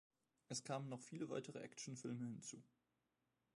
Es kamen noch viele weitere Actionfilme hinzu.